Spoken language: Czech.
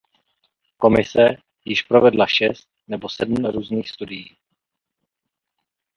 Komise již provedla šest nebo sedm různých studií.